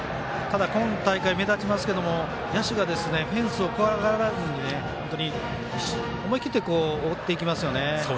今大会、目立ちますけど野手がフェンスを怖がらずに本当に思い切って追っていきますよね。